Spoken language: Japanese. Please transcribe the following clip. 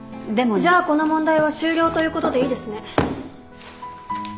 じゃあこの問題は終了ということでいいですね。